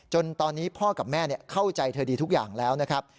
จนตอนนี้พ่อกับแม่เข้าใจเธอดีทุกอย่างแล้วนะครับ